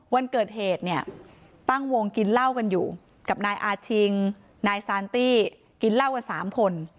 วันเกิดเหตุเนี่ยตั้งวงกินเหล้ากันอยู่กับนายอาชิงนายซานตี้กินเหล้ากัน๓คน